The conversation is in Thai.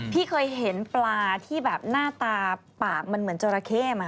พี่เคยเห็นปลาที่หน้าตาปากเหมือนจอระเข้มั้ย